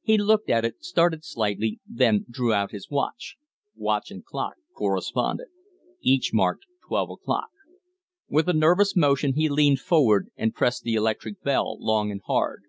He looked at it, started slightly, then drew out his watch. Watch and clock corresponded. Each marked twelve o'clock. With a nervous motion he leaned forward and pressed the electric bell long and hard.